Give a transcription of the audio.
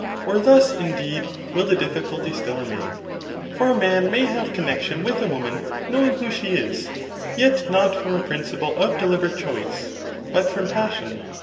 Or thus, indeed, will the difficulty still remain ? For a man n)ay have connexion with a woman knowing who she is, yet not from a prin dplie of deliberate choice, but from passion.